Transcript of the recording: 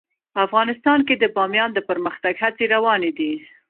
افغانستان کې د بامیان د پرمختګ هڅې روانې دي.